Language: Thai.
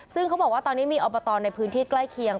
ซึ่งเขาบอกว่าตอนนี้มีอบตในพื้นที่ใกล้เคียง